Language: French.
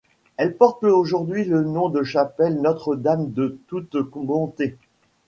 Elle porte aujourd'hui le nom de chapelle Notre-Dame-de-Toute-Bonté.